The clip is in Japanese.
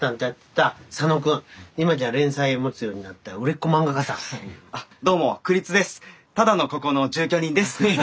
ただのここの住居人です。